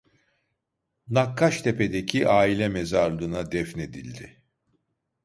Nakkaştepe'deki aile mezarlığına defnedildi.